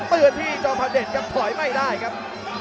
ทำต้นที่จอมพาเดชน์ก็ถอยไม่ได้ครับ